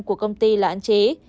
của công ty lãn chế